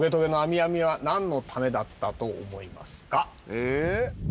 「えっ？」